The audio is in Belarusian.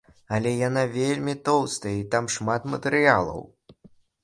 Але яна вельмі тоўстая і там шмат матэрыялаў.